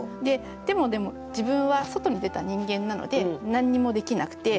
ででもでも自分は外に出た人間なので何にもできなくて。